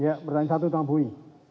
ya bertanya satu tuan bhui